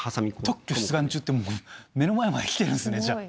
特許出願中って目の前まで来てるんすねじゃあ。